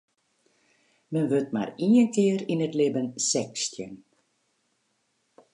Men wurdt mar ien kear yn it libben sechstjin.